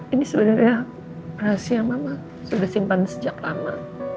ini sebenarnya rahasia mama sudah simpan sejak lama